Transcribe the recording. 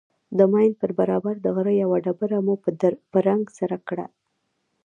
د ماين پر برابر د غره يوه ډبره مو په رنگ سره کړه.